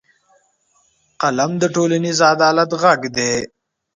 قلم د ټولنیز عدالت غږ دی